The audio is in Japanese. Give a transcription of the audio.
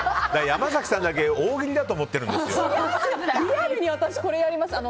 山崎さんだけ大喜利だと思っているんですよ。